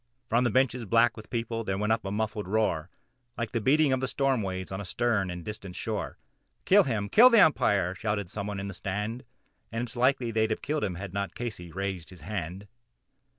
From the bleachers black with people there rose a sullen roar, Like the beating of the storm waves on a stern and distant shore, "Kill him! kill the Umpire!" shouted some one from the stand And it's likely they'd have done it had not Casey raised his hand.